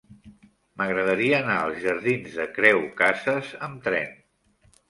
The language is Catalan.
M'agradaria anar als jardins de Creu Casas amb tren.